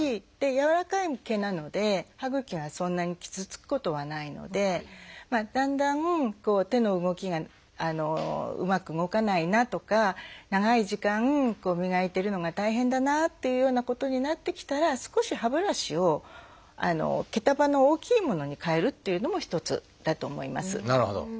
やわらかい毛なので歯ぐきがそんなに傷つくことはないのでだんだん手の動きがうまく動かないなとか長い時間磨いてるのが大変だなっていうようなことになってきたら少し歯ブラシを毛束の大きいものに替えるっていうのも一つだと思います。